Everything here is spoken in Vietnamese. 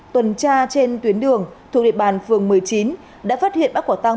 tuần tra trên tuyến đường thuộc địa bàn phường một mươi chín đã phát hiện bắt quả tăng